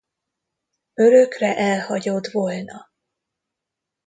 Örökre elhagyott volna?